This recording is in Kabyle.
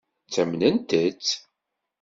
Ttamnent-tt?